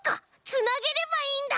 つなげればいいんだ！